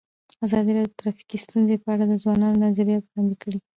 ازادي راډیو د ټرافیکي ستونزې په اړه د ځوانانو نظریات وړاندې کړي.